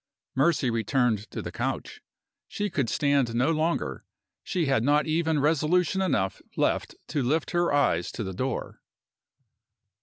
Mercy returned to the couch. She could stand no longer; she had not even resolution enough left to lift her eyes to the door.